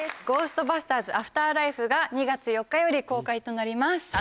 『ゴーストバスターズ／アフターライフ』が２月４日より公開となります。